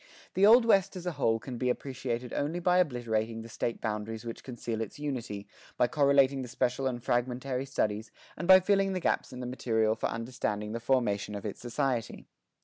The Old West as a whole can be appreciated only by obliterating the state boundaries which conceal its unity, by correlating the special and fragmentary studies, and by filling the gaps in the material for understanding the formation of its society.